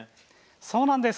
そうなんです。